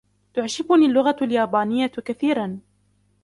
تعجبني اللغة اليابانية كثيرا.